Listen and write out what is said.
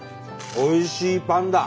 おいしいパンだ！